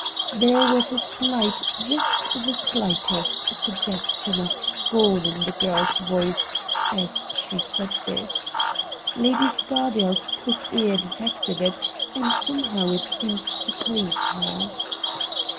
There was a shght, just the slightest, sug gestion of scorn in the girl's voice as she said this. Lady Scardale's quick ear detected it, and somehow it seemed to please her.